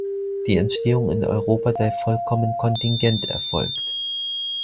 Die Entstehung in Europa sei vollkommen kontingent erfolgt.